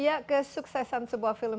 ya kesuksesan sebuah film